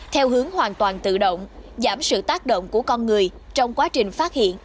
theo hướng hoàn toàn tự động giảm sự tác động của con người trong quá trình phát hiện